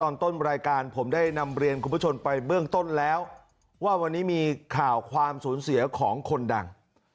ตอนต้นรายการผมได้นำเรียนคุณผู้ชมไปเบื้องต้นแล้วว่าวันนี้มีข่าวความสูญเสียของคนดัง